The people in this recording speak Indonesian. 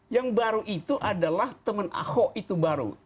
yang baru itu adalah teman ahok itu baru